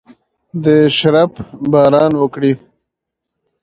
د شرپ باران وکړي